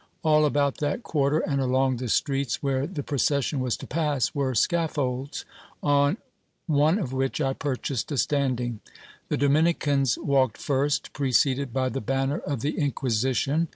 All about that quarter, and along the streets where the procession was to pass, were scaffolds, on one of which I purchased a standing. The Dominicans walked first, preceded by the banner of the Inquisition.